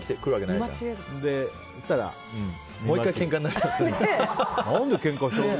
言ったらもう１回けんかになって。